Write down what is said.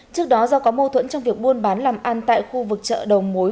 trước đó do có mô thuẫn trong việc buôn bán làm ăn tại khu vực chợ đồng mối